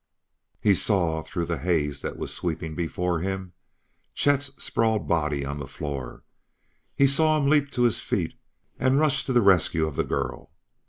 He saw, through the haze that was sweeping before him, Chet's sprawled body on the floor; he saw him leap to his feet and rush to the rescue of the girl.